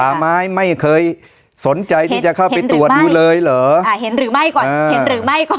ป่าไม้ไม่เคยสนใจที่จะเข้าไปตรวจดูเลยเหรอ